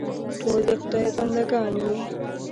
ټول د خدای بندهګان یو.